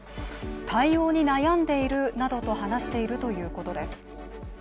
対応に悩んでいるなどと話しているということです。